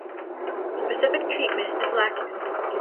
Specific treatment is lacking.